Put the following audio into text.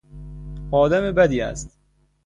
آدم بدی است.